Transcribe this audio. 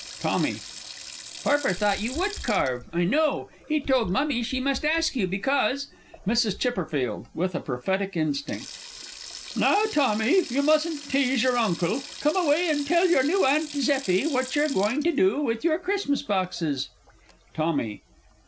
TOMMY. Parpar thought you would carve, I know. He told Mummy she must ask you, because MRS. C. (with a prophetic instinct). Now, Tommy, you mustn't tease your Uncle. Come away, and tell your new Aunt Zeffie what you're going to do with your Christmas boxes. TOMMY.